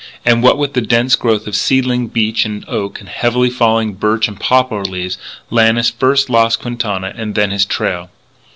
And what with the dense growth of seedling beech and oak and the heavily falling birch and poplar leaves, Lannis first lost Quintana and then his trail.